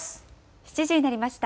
７時になりました。